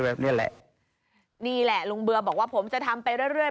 แบบนี้แหละนี่แหละลุงเบื่อบอกว่าผมจะทำไปเรื่อยเรื่อย